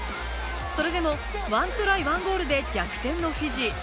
それでも、１トライ１ゴールで逆転のフィジー。